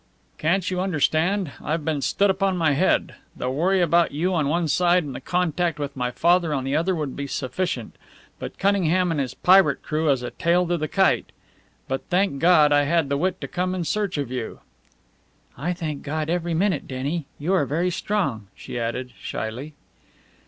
"Can't you understand? I've been stood upon my head. The worry about you on one side and the contact with my father on the other would be sufficient. But Cunningham and this pirate crew as a tail to the kite! But, thank God, I had the wit to come in search of you!" "I thank God every minute, Denny! You are very strong," she added, shyly.